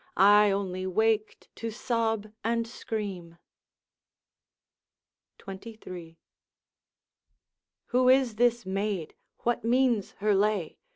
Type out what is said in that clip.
I only waked to sob and scream. XXIII. 'Who is this maid? what means her lay?